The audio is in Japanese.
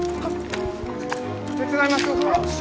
手伝いましょうか？